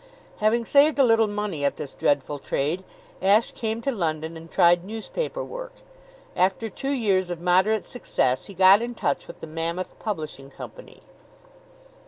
Having saved a little money at this dreadful trade, Ashe came to London and tried newspaper work. After two years of moderate success he got in touch with the Mammoth Publishing Company.